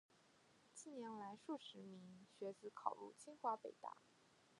近年来，数十名学子考入清华、北大